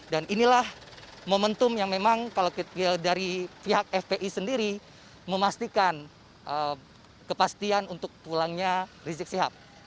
dan inilah momentum yang memang kalau dari pihak fpi sendiri memastikan kepastian untuk pulangnya rezekiah